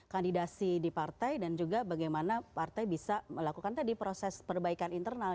kandidasi di partai dan juga bagaimana partai bisa melakukan tadi proses perbaikan internal